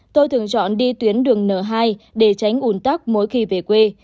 tôi thường chọn đi tuyến đường n hai để tránh ủn tắc mỗi khi về quê